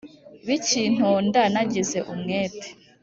bikintonda nagize umwete